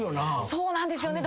そうなんですよね。